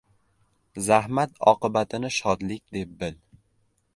— Zahmat oqibatini shodlik, deb bil.